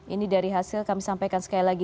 ini dari hasil kami sampaikan sekali lagi